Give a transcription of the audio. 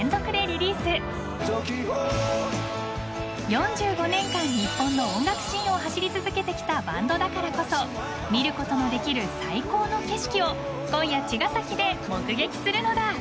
［４５年間日本の音楽シーンを走り続けてきたバンドだからこそ見ることのできる最高の景色を今夜茅ヶ崎で目撃するのだ！］